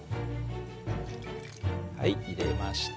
はい入れました。